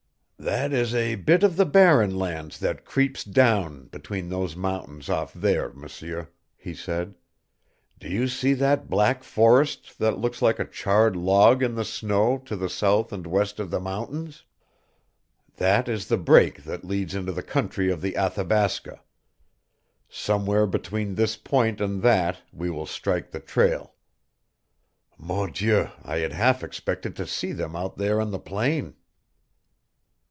"That is a bit of the Barren Lands that creeps down between those mountains off there, M'seur," he said. "Do you see that black forest that looks like a charred log in the snow to the south and west of the mountains? That is the break that leads into the country of the Athabasca. Somewhere between this point and that we will strike the trail. Mon Dieu, I had half expected to see them out there on the plain."